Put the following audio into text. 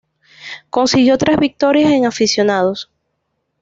Consiguió tres victorias en aficionados.